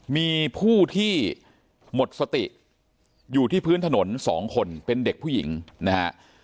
มีผู้ที่หมดสติอยู่ที่พื้นถนน๒คนเป็นเด็กผู้หญิงนะฮะ